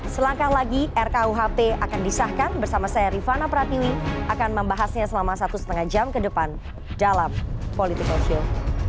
selangkah lagi rkuhp akan disahkan bersama saya rifana pratiwi akan membahasnya selama satu lima jam ke depan dalam political show